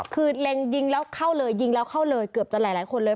คือเล็งยิงแล้วเข้าเลยยิงแล้วเข้าเลยเกือบจะหลายคนเลย